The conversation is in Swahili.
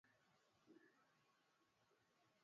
viazi lishe huweza kumpa mkulima kipato